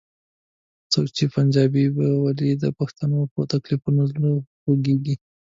ځکه چې پنجابی به ولې د پښتنو په تکلیفونو زړه خوږوي؟